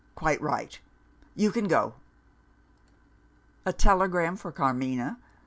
"Quite right. You can go." A telegram for Carmina?